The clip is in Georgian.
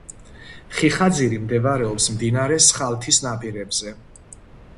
ხიხაძირი მდეობარეობს მდინარე სხალთის ნაპირებზე.